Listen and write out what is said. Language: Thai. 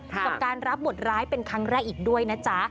กับการรับบทร้ายเป็นครั้งแรกอีกด้วยนะจ๊ะ